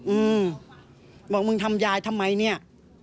อืมบอกมึงทำยายทำไมเนี่ย